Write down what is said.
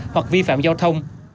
hoặc vi phạm giao thông